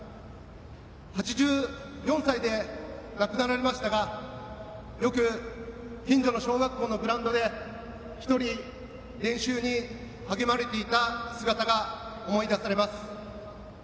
８４歳で亡くなられましたがよく近所の小学校のグラウンドで１人、練習に励まれていた姿が思い出されます。